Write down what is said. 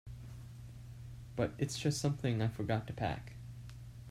But it's just something I forgot to pack.